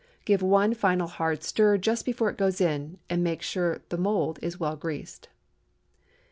Give one final hard stir just before it goes in, and be sure the mould is well greased.